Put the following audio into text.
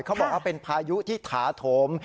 เขาบอกว่าเป็นพายุที่ถาโถม